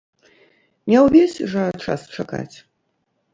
Не ўвесь жа час чакаць.